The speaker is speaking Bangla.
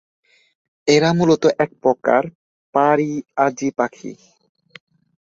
এরা মূলত একপ্রকার পরিযায়ী পাখি।